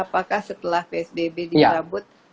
apakah setelah psbb dikabut